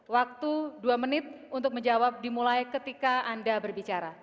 waktu dua menit untuk menjawab dimulai ketika anda berbicara